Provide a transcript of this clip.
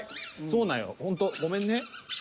そうなんよほんとごめんね。